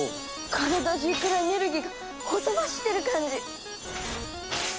体じゅうからエネルギーがほとばしってる感じ！